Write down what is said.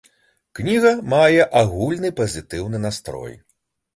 Кніга мае агульны пазітыўны настрой.